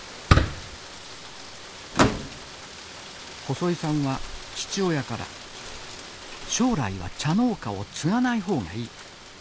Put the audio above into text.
細井さんは父親から「将来は茶農家を継がない方がいい。